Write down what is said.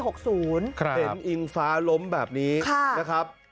อิงฟ้าล้มแบบนี้นะครับ